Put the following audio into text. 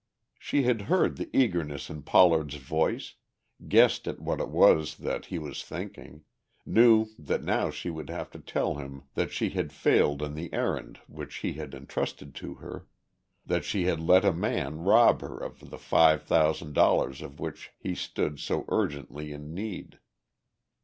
She had heard the eagerness in Pollard's voice, guessed at what it was that he was thinking, knew that now she would have to tell him that she had failed in the errand which he had entrusted to her, that she had let a man rob her of the five thousand dollars of which he stood so urgently in need.